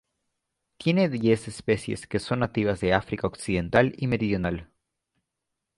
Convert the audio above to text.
Tiene diez especies que son nativas de África occidental y meridional.